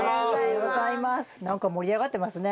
何か盛り上がってますね。